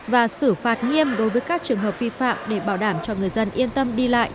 và xử phạt nghiêm đối với các trường hợp vi phạm để bảo đảm cho người dân yên tâm đi lại trong dịp tết